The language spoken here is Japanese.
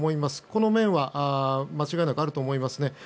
この面は間違いなくあると思いますね。